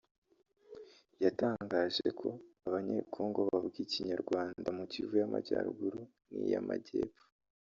yatangaje ko Abanyekongo bavuga ikinyarwanda mu Kivu y’Amajyarugu n’iy’Amajyepfo